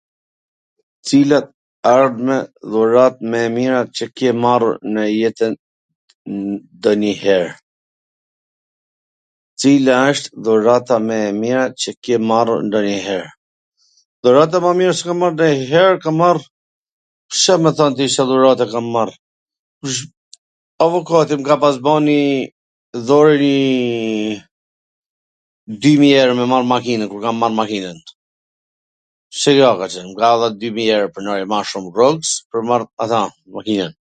Cila wsht dhurata mw e mir qw ke marrw ndonjwher? Dhurata mw e mir si kam marr ndonjwher wsht dhurata ... Ca me t than ti Ca dhurate kam marr, avokati m ka pas ba njiiii ... dhoro njiii ... dymij euro me marr makinwn, kur kam marr makinwn, ajo ka qwn ... m dha dy mij euro pwr ma shum pwr t marr atw , makinwn.